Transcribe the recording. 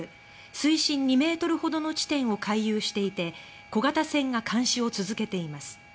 水深２ｍほどの地点を回遊していて小型船が監視を続けています。